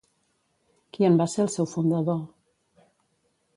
Qui en va ser el seu fundador?